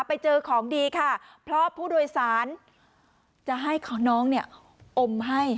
ไปเจอของดีค่ะเพราะผู้โดยสารจะให้น้องเนี่ยอมให้